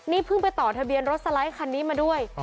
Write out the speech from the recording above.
นี่เพิ่งไปต่อทะเบียนรถสไลด์คันนี้มาด้วย